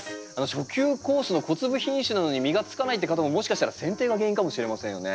初級コースの小粒品種なのに実がつかないって方ももしかしたらせん定が原因かもしれませんよね。